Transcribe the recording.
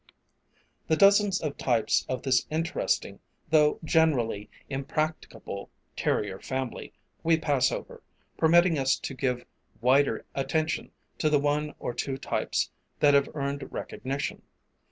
] The dozens of types of this interesting, though generally impracticable terrier family we pass over, permitting us to give wider attention to the one or two types that have earned recognition.